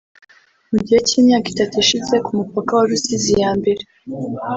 Mu gihe cy’imyaka itatu ishize ku mupaka wa Rusizi ya mbere